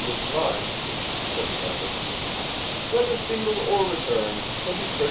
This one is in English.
th! line," said the driver, hcthcr single or return, can be pureh..